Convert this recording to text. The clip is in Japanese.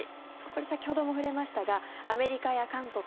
これ、先ほども触れましたがアメリカや韓国